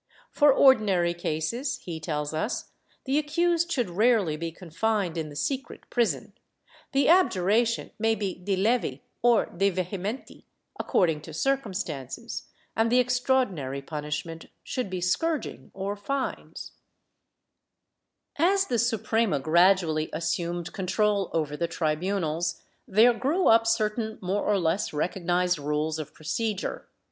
For ordinary cases, he tells us, the accused should rarely be confined in the secret prison; the abjuration may be de levi or de vehementi according to circumstances, and the extraordinary punishment should be scourging or fines/ As the Suprema gradually assumed control over the tribunals, there grew up certain more or less recognized rules of procedure.